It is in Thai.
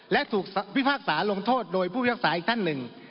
และถูกพิพากษาลงโทษโดยผู้พิพากษาอีกท่านหนึ่ง